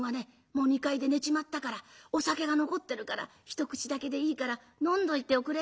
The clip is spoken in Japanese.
もう２階で寝ちまったからお酒が残ってるから一口だけでいいから飲んどいておくれよ」。